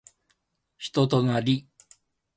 人となり